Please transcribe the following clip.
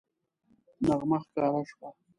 نغمه ښکاره شوه